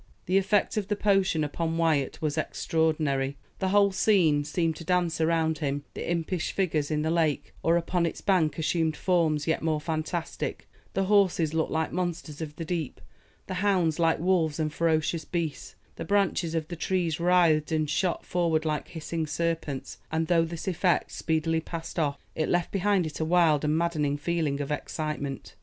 The effect of the potion upon Wyat was extraordinary. The whole scene seemed to dance around him; the impish figures in the lake, or upon its bank, assumed forms yet more fantastic; the horses looked like monsters of the deep; the hounds like wolves and ferocious beasts; the branches of the trees writhed and shot forward like hissing serpents; and though this effect speedily passed off, it left behind it a wild and maddening feeling of excitement.